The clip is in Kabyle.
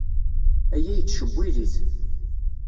Aya yettcewwil-it.